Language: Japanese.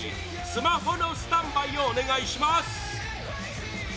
スマホのスタンバイをお願いします